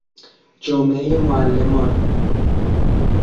جامعهی معلمان